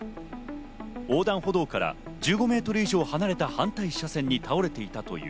横断歩道から１５ｍ以上離れた反対車線に倒れていたという。